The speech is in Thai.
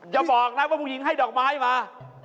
จะบอกนะว่าผู้หญิงให้ดอกไม้มา